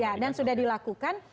ya dan sudah dilakukan